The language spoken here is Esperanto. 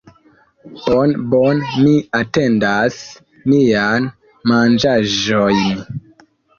Bone, bone, mi atendas mian... manĝaĵon?